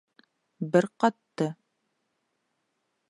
Бер ҡатты.